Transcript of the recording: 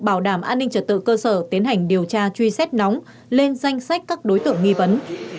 bảo đảm an ninh trật tự cơ sở tiến hành điều tra truy xét nóng lên danh sách các đối tượng nghi vấn